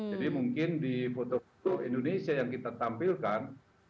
jadi mungkin di foto foto indonesia yang kita tampilkan